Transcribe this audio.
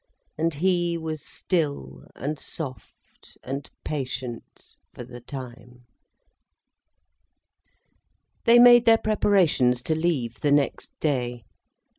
And he was still and soft and patient, for the time. They made their preparations to leave the next day.